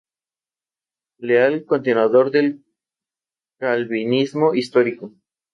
Leal continuador del calvinismo histórico.